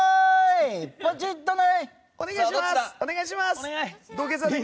ポチッとな！